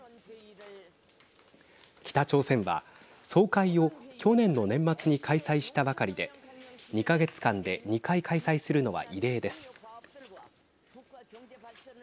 北朝鮮は総会を去年の年末に開催したばかりで２か月間で２回開催するのは異例です。